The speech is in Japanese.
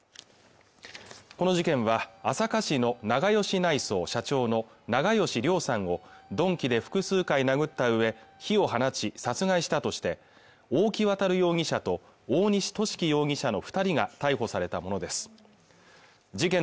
この事件は朝霞市の長葭内装社長の長葭良さんを鈍器で複数回殴ったうえ火を放ち殺害したとして大木渉容疑者と大西寿貴容疑者の二人が逮捕されたものです事件